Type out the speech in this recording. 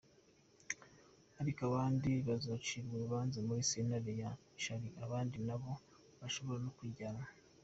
Ariko abandi, bazocibwa urubanza muri sentare ya Sharia, abandi na bo bashobora no kunyingwa.